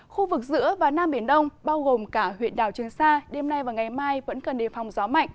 khu vực giữa và nam biển đông bao gồm cả huyện đảo trường sa đêm nay và ngày mai vẫn cần đề phòng gió mạnh